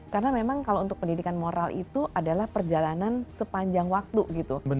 karena memang kalau untuk pendidikan moral itu adalah perjalanan sepanjang waktu gitu